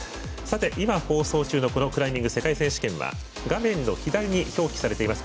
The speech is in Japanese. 今、放送中のクライミング世界選手権は画面左上に表記されています